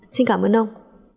xin cảm ơn ông